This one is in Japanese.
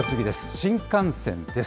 新幹線です。